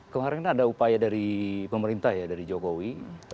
kemarin kan ada upaya dari pemerintah ya dari jokowi